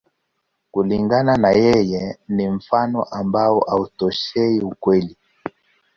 Kulingana na yeye, ni mfano ambao hautoshei ukweli.